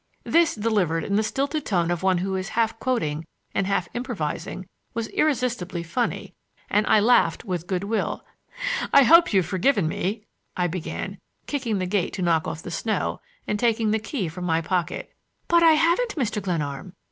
" This, delivered in the stilted tone of one who is half quoting and half improvising, was irresistibly funny, and I laughed with good will. "I hope you've forgiven me—" I began, kicking the gate to knock off the snow, and taking the key from my pocket. "But I haven't, Mr. Glenarm.